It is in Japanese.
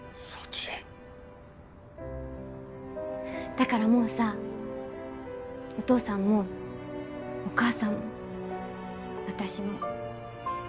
だからもうさお父さんもお母さんも私も。